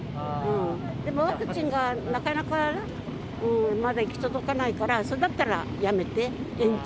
でもワクチンがなかなかまだ行き届かないから、それだったらやめて、延長。